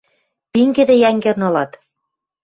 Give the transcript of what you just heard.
Пингӹдӹ йӓнгӓн ылат!..